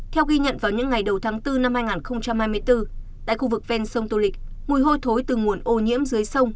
theo ghi nhận vào những ngày đầu tháng bốn năm hai nghìn hai mươi bốn tại khu vực ven sông tô lịch mùi hôi thối từ nguồn ô nhiễm dưới sông